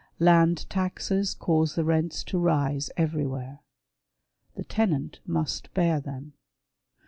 Land taxes cause the rents to rise everywhere. The tenant must bear them.